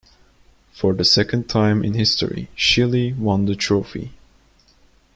For the second time in history, Chile won the trophy.